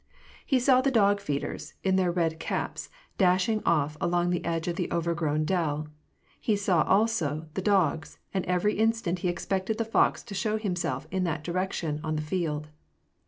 He saw the dog feeders, in their red caps, dashing off along the edge of the overgrown dell ; he saw, also, the dogs, and every instant he expected the fox to show himself in that di rection, on the field.